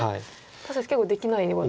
確かに結構できないような。